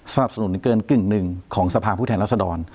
สนุนเกินกึ่งหนึ่งของสภาพผู้แทนรัศดร